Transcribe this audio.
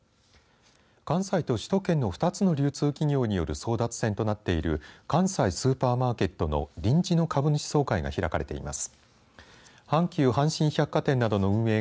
関西と首都圏の２つの流通企業による争奪戦となっている関西スーパーマーケットの臨時の株主総会が開かれています。